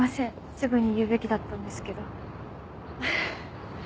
すぐに言うべきだったんですけど。